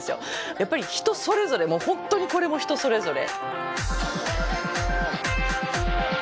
やっぱり人それぞれ本当にこれも人それぞれ。